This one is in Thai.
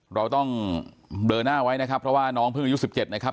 เราต้องเบลอหน้าไว้นะครับเพราะว่าน้องเพิ่งอายุ๑๗นะครับ